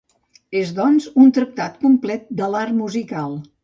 És, doncs, un tractat complet de l'art musical.